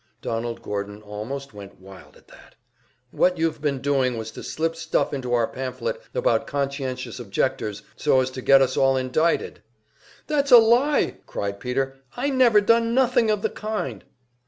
Donald Gordon almost went wild at that. "What you've been doing was to slip stuff into our pamphlet about conscientious objectors, so as to get us all indicted!" "That's a lie!" cried Peter. "I never done nothing of the kind!"